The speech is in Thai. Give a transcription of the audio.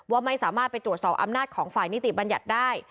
ว่าไม่สามารถไปตรวจสอบอำนาจของฝ่ายนิติบัญญัติได้